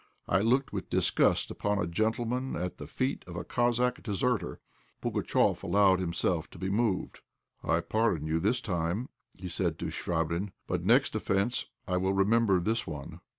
I looked with disgust upon a gentleman at the feet of a Cossack deserter. Pugatchéf allowed himself to be moved. "I pardon you this time," he said, to Chvabrine; "but next offence I will remember this one."